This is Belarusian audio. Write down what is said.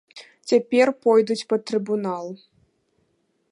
Цяпер пойдуць пад трыбунал.